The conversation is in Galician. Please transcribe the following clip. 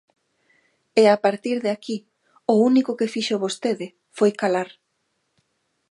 E a partir de aquí, o único que fixo vostede foi calar.